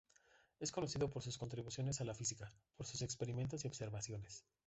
Es conocido por sus contribuciones a la física, por sus experimentos y observaciones.